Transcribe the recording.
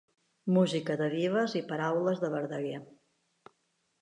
Música de Vives i paraules de Verdaguer.